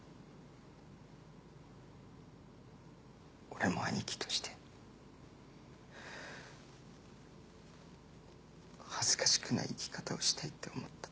俺も兄貴として恥ずかしくない生き方をしたいって思った。